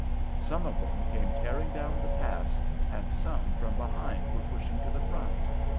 Some of them came tearing down the pass, and some from behind were pushing to the front.